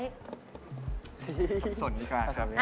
สับสนดีค่ะ